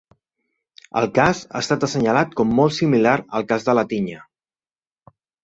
El cas ha estat assenyalat com molt similar al Cas de la tinya.